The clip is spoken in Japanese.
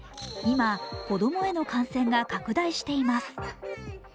今、子供への感染が拡大しています